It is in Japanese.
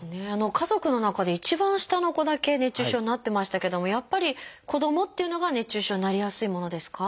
家族の中で一番下の子だけ熱中症になってましたけどもやっぱり子どもっていうのが熱中症になりやすいものですか？